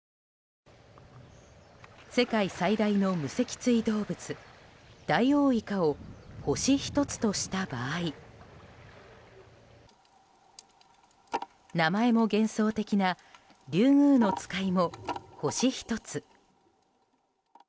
世界最大の無脊椎動物ダイオウイカを星１つとした場合名前も幻想的なリュウグウノツカイも星１つ。